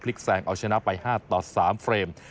พลิกแสงเอาชนะไป๕ต่อ๓เฟรม